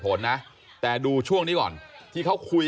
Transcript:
ผมถูกรบกวนผมอธิบายไม่ได้